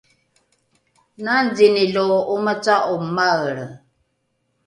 nangzini lo ’omaca’o maelre?